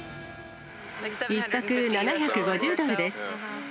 １泊７５０ドルです。